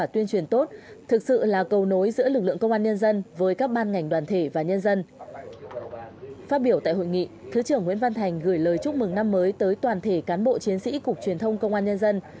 trong đại hội nghị thứ trưởng nguyễn văn thành gửi lời chúc mừng năm mới tới toàn thể cán bộ chiến sĩ cục truyền thông công an nhân dân